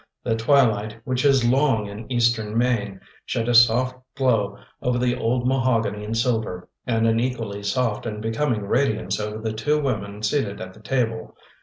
The twilight, which is long in eastern Maine, shed a soft glow over the old mahogany and silver, and an equally soft and becoming radiance over the two women seated at the table.